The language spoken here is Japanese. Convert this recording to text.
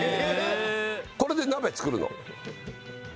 これで鍋作るの。